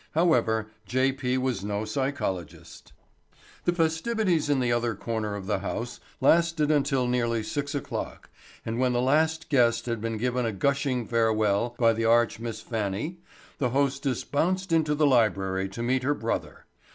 However, J. P. was no psychologist. The festivities in the other corner of the house lasted until nearly six o'clock and when the last guest had been given a gushing farewell by the arch Miss Fannie the hostess bounced into the library to meet her brother.